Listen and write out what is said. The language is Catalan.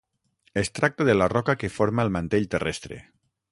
Es tracta de la roca que forma el mantell terrestre.